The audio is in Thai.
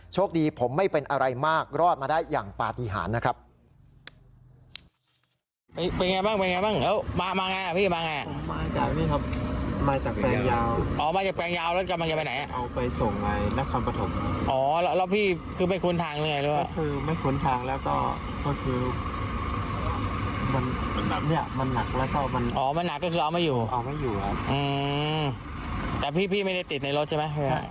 โชคดีผมไม่เป็นอะไรมากรอดมาได้อย่างปฏิหารนะครับ